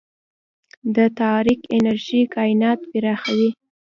د تاریک انرژي کائنات پراخوي.